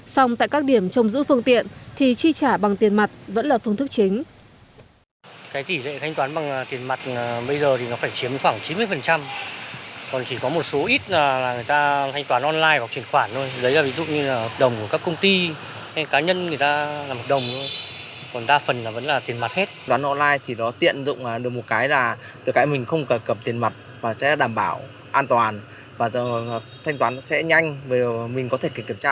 xong tại các điểm trồng giữ phương tiện thì chi trả bằng tiền mặt vẫn là phương thức chính